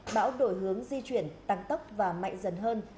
bão đổi hướng di chuyển tăng tốc và mạnh dần hơn